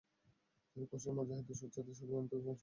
তিনি কৌশলে মুজাহিদদের পশ্চাতে সরিয়ে আনতে চেষ্টা করেন।